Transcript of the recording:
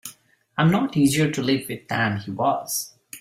I'm not easier to live with than he was.